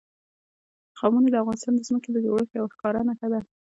قومونه د افغانستان د ځمکې د جوړښت یوه ښکاره نښه ده.